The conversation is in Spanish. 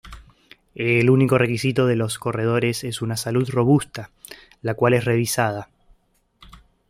El único requisito de los corredores es una salud robusta, la cual es revisada.